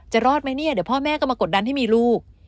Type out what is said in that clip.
รอดไหมเนี่ยเดี๋ยวพ่อแม่ก็มากดดันให้มีลูก